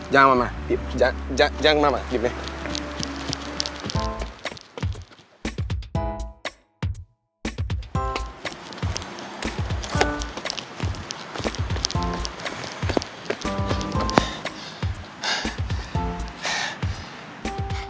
jangan kemana mana dip jangan kemana mana dip ya